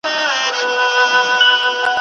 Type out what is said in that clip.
څانګه یم وچېږمه، ماتېږم ته به نه ژاړې